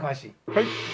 はい。